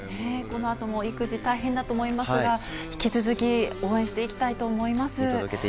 このあとも育児、大変だと思いますが、引き続き、見届けていきたいと思います。